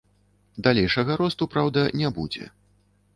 Далейшага росту, праўда, не будзе.